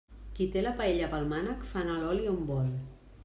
Qui té la paella pel mànec, fa anar l'oli on vol.